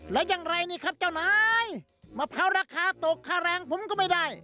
แล้วอย่างไรนี่ครับเจ้านายมะพร้าวราคาตกค่าแรงผมก็ไม่ได้